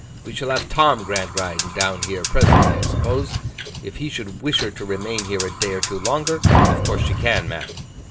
We shall have Tom Gradgrind down here presently, I suppose. If he should wish her to remain here a day or two longer, of course she can, ma'am.